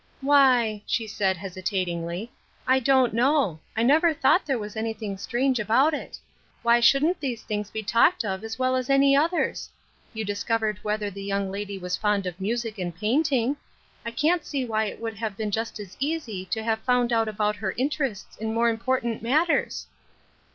"Why," she said, hesitatingly, "I don't know. I never thought there was anything strange about it. Why shouldn't those things be talked of as well as any others? You discovered whether the young lady was fond of music and painting. I can't see why it wouldn't hftve been just as easy to have found out about her inter ests in more important matters."